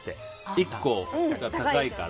１個が高いから。